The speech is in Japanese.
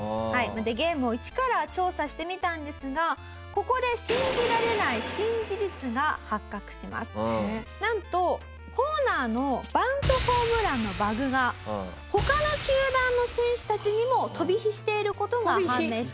ゲームを一から調査してみたんですがここでなんとホーナーのバントホームランのバグが他の球団の選手たちにも飛び火している事が判明したんです。